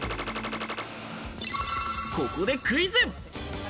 ここでクイズ。